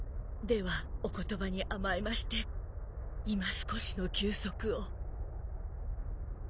ではお言葉に甘えましていま少しの休息を。